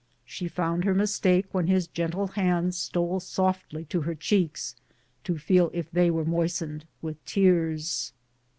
She found her mistake when his gentle hands stole softly to her cheeks to feel if they were moistened with tears.